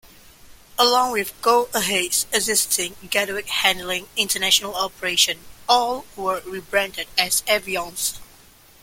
Along with Go-Ahead's existing Gatwick Handling International operation, all were rebranded as Aviance.